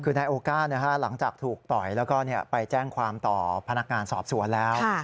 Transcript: คือนายโอก้าหลังจากถูกต่อยแล้วก็ไปแจ้งความต่อพนักงานสอบสวนแล้ว